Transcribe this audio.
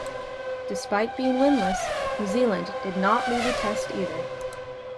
Despite being winless, New Zealand did not lose a test either.